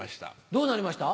どうなりました？